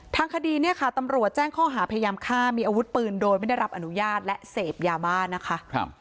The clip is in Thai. ทางคดีเนี่ยค่ะตำรวจแจ้งข้อหาพยายามฆ่ามีอาวุธปืนโดยไม่ได้รับอนุญาตและเสพยาบ้านะคะ